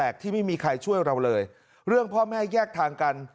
ว่ายังเยอะไม่มีใครช่วยเราเลยเรื่องพ่อแม่แยกทางกัน